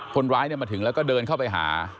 คนร้ายมาถึงแล้วก็เดินเข้าไปหา